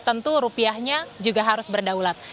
tentu rupiahnya juga harus berdaulat